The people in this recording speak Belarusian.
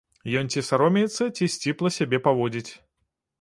Ён ці саромеецца, ці сціпла сябе паводзіць.